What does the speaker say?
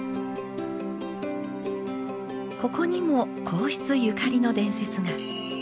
ここにも皇室ゆかりの伝説が。